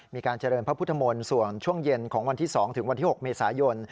มีการเจริญพระพุทธมนตร์ส่วนช่วงเย็นของวันที่๒ถึงวันที่๖เมษายน